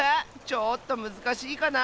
ちょっとむずかしいかな？